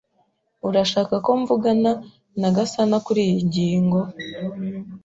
Urashaka ko mvugana na Gasanakuriyi ngingo?